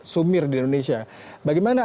sumir di indonesia bagaimana